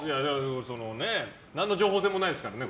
何の情報性もないですからね